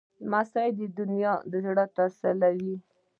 لمسی د نیا زړه تسلوي.